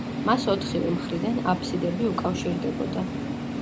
მას ოთხივე მხრიდან აფსიდები უკავშირდებოდა.